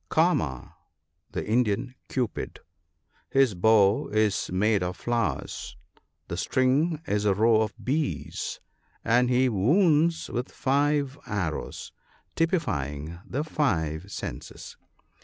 —" Kama," the Indian Cupid. His bow is made of flowers, the string is a row of bees, and he wounds with five arrows, typifying the five senses.